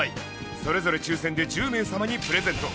それぞれ抽せんで１０名様にプレゼント